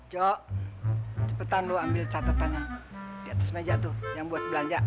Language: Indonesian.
jok cepetan lo ambil catetannya di atas meja tuh yang buat belanja